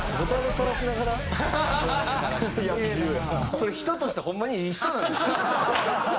それ人としてホンマにいい人なんですか？